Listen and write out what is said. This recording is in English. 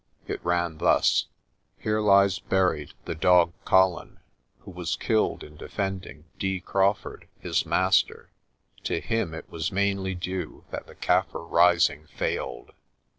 It ran thus: "Here lies buried the dog Colin, who was killed in defending D. Craw f urd, his master. To him it was mainly due that the Kaffir Rising failed."